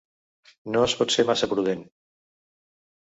No es pot ser massa prudent.